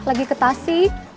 lagi ke tasik